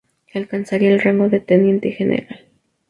Alcanzaría el rango de teniente general.